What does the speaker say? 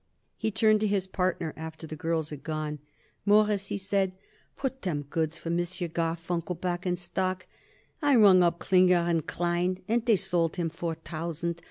He turned to his partner after the girls had gone. "Mawruss," he said, "put them goods for M. Garfunkel back in stock. I rung up Klinger & Klein and they sold him four thousand.